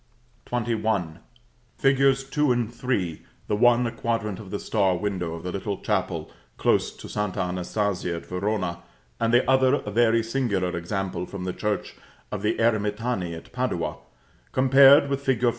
XXI. Figs. 2 and 3, the one a quadrant of the star window of the little chapel close to St. Anastasia at Verona, and the other a very singular example from the church of the Eremitani at Padua, compared with fig.